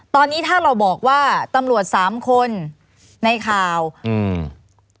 ตอนนี้ถ้าเราบอกว่าตำรวจสามคนในข่าวอืม